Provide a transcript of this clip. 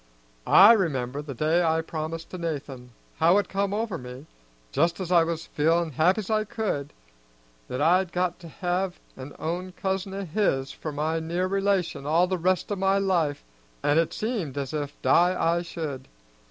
I remember, the day I promised to Nathan, how it come over me, just's I was feelin' happy's I could, that I'd got to have an own cousin o' his for my near relation all the rest o' my life, an' it seemed as if die I should.